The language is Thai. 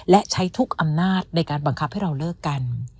และใช้ทุกอำนาจในการบังคับให้เราเลิกกัน